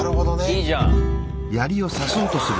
いいじゃん。